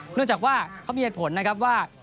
เนื่องจากว่าเขามีเหตุผลนะครับว่า